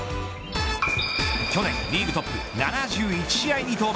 去年リーグトップ７１試合に登板。